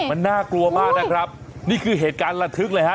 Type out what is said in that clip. มันน่ากลัวมากนะครับนี่คือเหตุการณ์ระทึกเลยฮะ